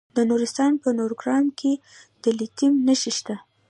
د نورستان په نورګرام کې د لیتیم نښې شته.